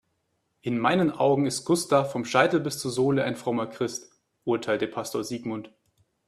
"In meinen Augen ist Gustav vom Scheitel bis zur Sohle ein frommer Christ", urteilte Pastor Sigmund.